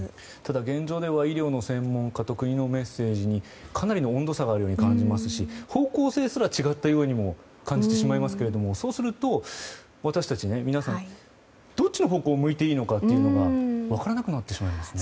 現状では医療の専門家と国のメッセージとかなりの温度差があるように感じますし方向性すら違ったようにも感じてしまいますがそうすると私たちどっちの方向を向いていいのか分からなくなってしまいますね。